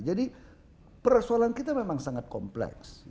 jadi persoalan kita memang sangat kompleks